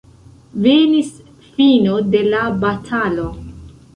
Venis fino de la batalo.